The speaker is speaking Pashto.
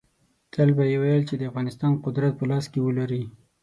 تل به یې ویل چې د افغانستان قدرت په لاس کې ولري.